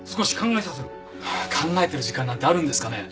考えてる時間なんてあるんですかね？